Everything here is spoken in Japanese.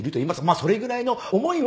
まあそれぐらいの思いは。